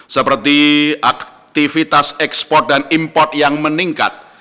seperti aktivitas ekspor dan import yang meningkat